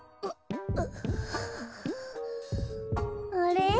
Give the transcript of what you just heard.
あれ？